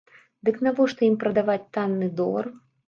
Дык навошта ім прадаваць танны долар?